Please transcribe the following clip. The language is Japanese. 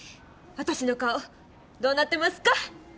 私の顔どうなってますか？